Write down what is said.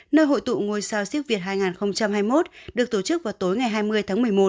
nơi hội tụ ngôi sao siếc việt hai nghìn hai mươi một được tổ chức vào tối ngày hai mươi tháng một mươi một